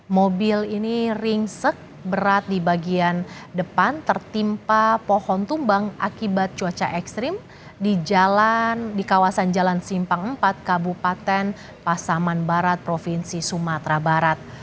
mobil ini ringsek berat di bagian depan tertimpa pohon tumbang akibat cuaca ekstrim di kawasan jalan simpang empat kabupaten pasaman barat provinsi sumatera barat